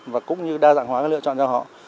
và cũng như đa dạng hóa lựa chọn cho họ